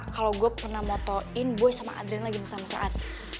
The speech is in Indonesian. kalau gue pernah motoin boy sama adriana lagi mesra mesraan